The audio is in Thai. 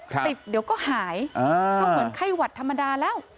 ติดเดี๋ยวก็หายเพราะเหมือนไข้หวัดธรรมดาแล้ว